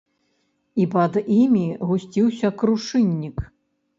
І пад імі гусціўся крушыннік.